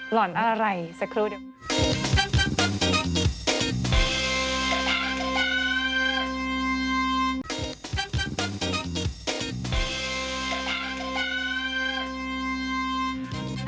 หล่อนอะไรสักครู่เดี๋ยว